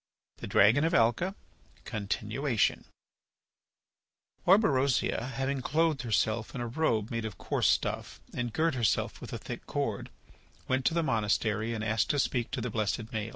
THE DRAGON OF ALCA (Continuation) Orberosia, having clothed herself in a robe made of coarse stuff and girt herself with a thick cord, went to the monastery and asked to speak to the blessed Maël.